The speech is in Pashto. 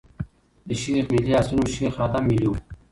د شېخ ملي اصلي نوم شېخ ادم ملي ؤ.